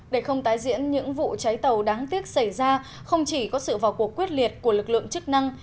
để không tái diễn những vụ cháy tàu đáng tiếc xảy ra không chỉ có sự vào cuộc quyết liệt của lực lượng chức năng